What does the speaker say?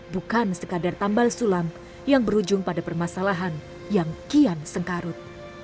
bukan sekadar tambal sulam yang berujung pada permasalahan yang kian sengkarut